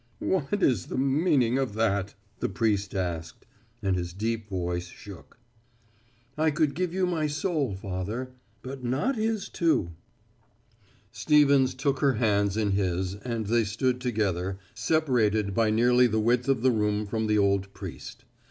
"What is the meaning of that?" the priest asked, and his deep voice shook. "I could give you my soul, Father, but not his, too." Stevens took her hands in his and they stood together, separated by nearly the width of the room from the old priest.